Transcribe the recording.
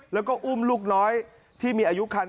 แล้วก็อุ้มลูกน้อยที่มีอายุคัน